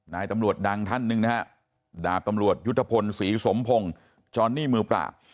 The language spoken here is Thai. นายตำรวจดังท่านหนึ่งนะฮะดาบตำรวจยุทธพลศรีสมพงศ์จอนนี่มือปราบ